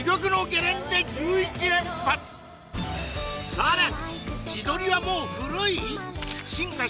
さらに！